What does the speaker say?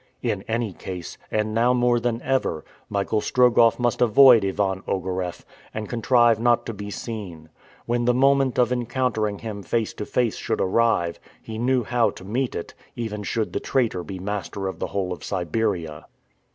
In any case and now more than ever Michael Strogoff must avoid Ivan Ogareff, and contrive not to be seen. When the moment of encountering him face to face should arrive, he knew how to meet it, even should the traitor be master of the whole of Siberia.